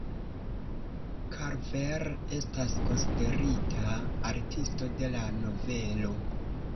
Karver estas konsiderita artisto de la novelo.